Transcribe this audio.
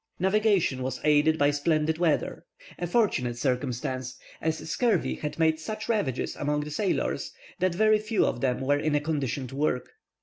Navigation was aided by splendid weather, a fortunate circumstance, as scurvy had made such ravages among the sailors, that very few of them were in a condition to work.